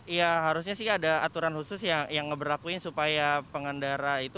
iya harusnya sih ada aturan khusus yang ngeberlakuin supaya pengendara itu